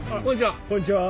あっこんにちは。